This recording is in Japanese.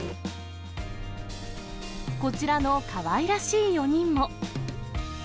こちらのかわいらしい４人も。